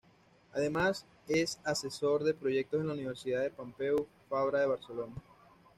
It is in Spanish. Además es asesor de proyectos en la Universidad Pompeu Fabra de Barcelona.